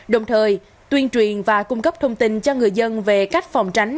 đồng thời tuyên truyền và cung cấp thông tin cho người dân về cách phòng tránh